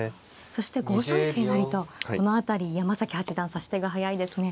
そして５三桂成とこの辺り山崎八段指し手が速いですね。